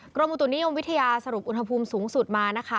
กรมอุตุนิยมวิทยาสรุปอุณหภูมิสูงสุดมานะคะ